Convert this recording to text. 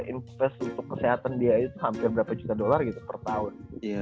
investasi untuk kesehatan dia itu hampir berapa juta dolar gitu per tahun